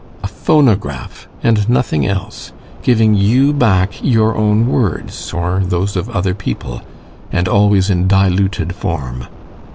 A phonograph, and nothing else giving you back your own words, or those of other people and always in diluted form.